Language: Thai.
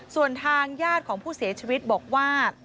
ส่วนทางญาติของผู้เสียชีวิตบอกว่า